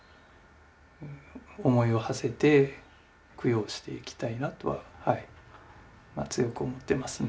思いをはせて供養していきたいなとははい強く思ってますね。